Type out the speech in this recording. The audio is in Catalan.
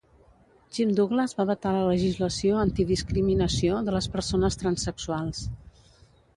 Jim Douglas va vetar la legislació antidiscriminació de les persones transsexuals.